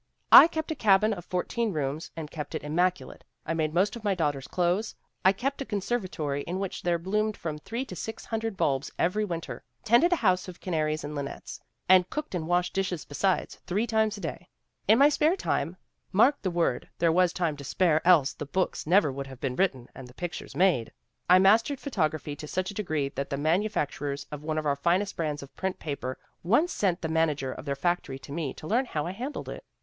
I kept a cabin of fourteen rooms, and kept it im maculate. I made most of my daughter's clothes, I GENE STRATTON PORTER 95 kept a conservatory in which there bloomed from three to six hundred bulbs every winter, tended a house of canaries and linnets, and cooked and washed dishes besides three times a day. In my spare time (mark the word, there was time to spare else the books never would have been written and the pictures made) I mastered photography to such a degree that the manufacturers of one of our finest brands of print paper once sent the manager of their factory to me to learn how I handled it.